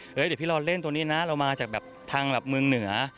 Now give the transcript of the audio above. เดี๋ยวพี่รอเล่นตัวนี้นะเรามาจากแบบทางแบบเมืองเหนือ